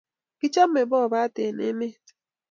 Kichomei bobat eng emet